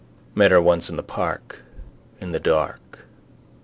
Met her once in the park. In the dark.